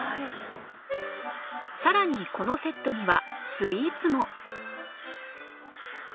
さらにこのセットにはスイーツも！